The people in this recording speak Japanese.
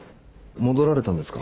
戻られたんですか？